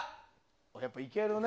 やっぱいけるね。